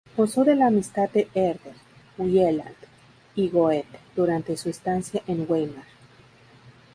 Gozó de la amistad de Herder, Wieland y Goethe durante su estancia en Weimar.